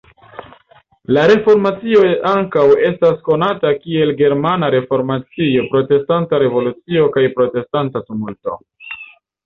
La Reformacio ankaŭ estas konata kiel "Germana Reformacio", "Protestanta Revolucio" kaj "Protestanta Tumulto".